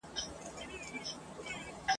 سوځول یې یو د بل کلي ښارونه !.